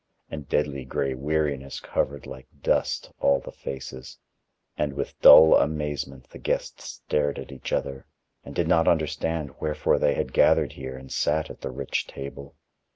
And deadly gray weariness covered like dust all the faces, and with dull amazement the guests stared at each other and did not understand wherefore they had gathered here and sat at the rich table.